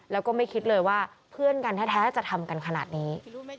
แล้วก็ไม่คิดเลยว่าเพื่อนกันแท้จะทำกันขนาดนี้